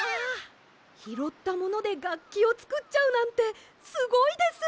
ひろったものでがっきをつくっちゃうなんてすごいです！